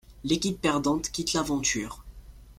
L’équipe perdante quitte l’aventure.